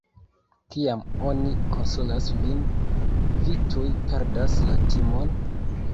Kiam oni konsolas vin, vi tuj perdas la timon.